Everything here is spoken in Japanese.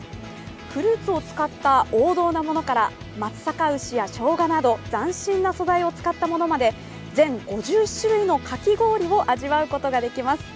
フルーツを使った王道なものから松阪牛やしょうがなど、斬新な素材を使ったものまで全５１種類のかき氷を味わうことができます。